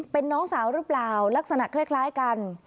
เป็นน้องสาวหรือเปล่าลักษณะคล้ายกัน